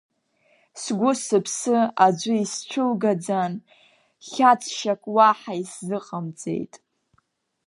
Сгәы-сыԥсы аӡәы исцәылгаӡан, хьаҵшьак уаҳа исзыҟамҵеит.